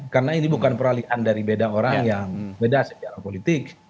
karena ini bukan peralihan dari beda orang yang beda secara politik